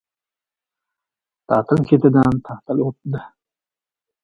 Ta’til ketidan ta’til o‘tdi.